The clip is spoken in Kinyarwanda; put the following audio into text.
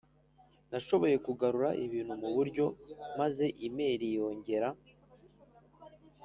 nashoboye kugarura ibintu mu buryo maze emili yongera